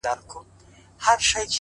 د سترګو کي ستا د مخ سُرخي ده”